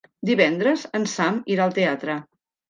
Divendres en Sam irà al teatre.